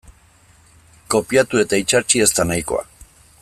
Kopiatu eta itsatsi ez da nahikoa.